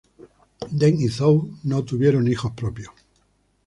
Deng y Zhou no tuvieron hijos propios.